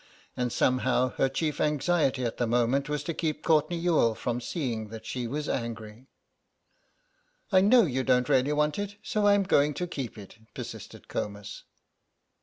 And somehow her chief anxiety at the moment was to keep Courtenay Youghal from seeing that she was angry. "I know you don't really want it, so I'm going to keep it," persisted Comus.